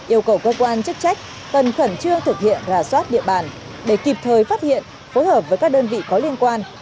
yêu cầu cơ quan chức trách cần khẩn trương thực hiện rà soát địa bàn để kịp thời phát hiện phối hợp với các đơn vị có liên quan